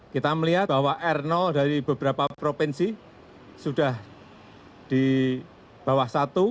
kita melihat bahwa r dari beberapa provinsi sudah di bawah satu